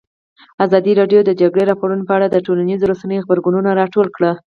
ازادي راډیو د د جګړې راپورونه په اړه د ټولنیزو رسنیو غبرګونونه راټول کړي.